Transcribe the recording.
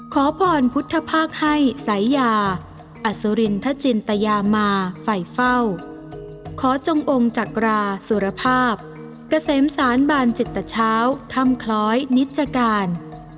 ขอพรพุทธภาคให้สายยาอสุรินทจินตยามาไฟเฝ้าขอจงองค์จักราสุรภาพเกษมสารบานจิตเช้าคำคล้อยนิจการ